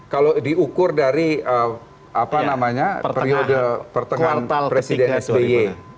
kalau diukur dari periode pertengahan presiden sby